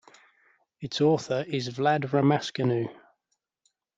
Its author is Vlad Romascanu.